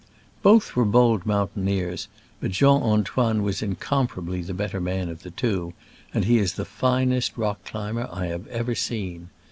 Both were bold mountaineers, but Jean Antoine was incomparably the better man of the two, and he is the finest rock climber I have ever seen.